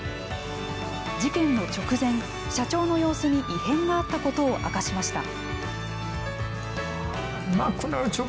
事件の直前、社長の様子に異変があったことを明かしました。